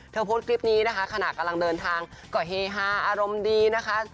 โพสต์คลิปนี้นะคะขณะกำลังเดินทางก็เฮฮาอารมณ์ดีนะคะ